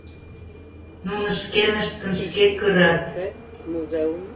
Нуно шкеныштым шке кырат.